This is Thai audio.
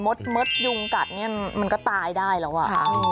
มดยุงกัดเนี่ยมันก็ตายได้แล้วอ่ะ